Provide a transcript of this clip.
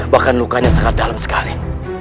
bahkan lukanya sangat dalam sekali